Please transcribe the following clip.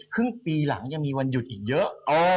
ครึ่งปีหลังยังมีวันหยุดอีกเยอะ